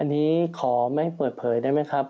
อันนี้ขอไม่เปิดเผยได้ไหมครับ